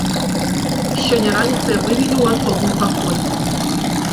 Сёння раніцай вывелі ў асобны пакой.